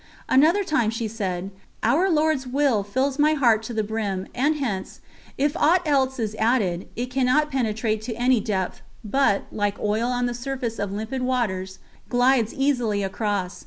Another time she said: "Our Lord's Will fills my heart to the brim, and hence, if aught else is added, it cannot penetrate to any depth, but, like oil on the surface of limpid waters, glides easily across.